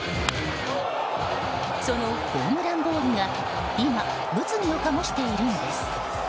そのホームランボールが今、物議を醸しているんです。